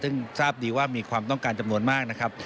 ซึ่งทราบดีว่ามีความต้องการจำนวนมากนะครับ